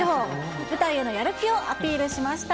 舞台へのやる気をアピールしました。